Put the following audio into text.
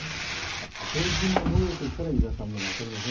縦じま模様と言ったら井田さん、分かりますね。